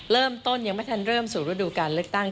เริ่มต้นยังไม่ทันเริ่มสู่ฤดูการเลือกตั้ง